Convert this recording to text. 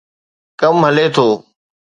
ڪم هلي ٿو.